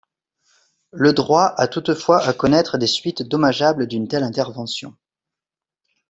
Le droit a toutefois à connaître des suites dommageables d’une telle intervention.